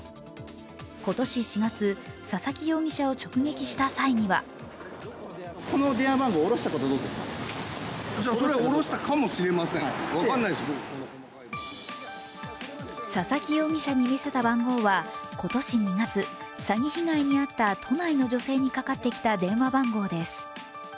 今年４月、佐々木容疑者を直撃した際には佐々木容疑者に見せた番号は、今年２月詐欺被害に遭った都内の女性にかかってきた電話番号です。